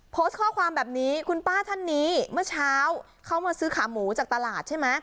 โพสต์ข้อความแบบนี้คุณป้าท่านนี้เมื่อเช้าเขามาซื้อขาหมูจากตลาดใช่ไหม